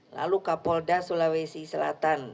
lalu kapolda sulawesi selatan